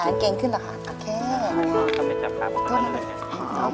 เอาเชื่อออกมา